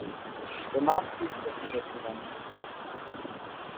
Danach ging’s auch wieder zu meinem Hotel.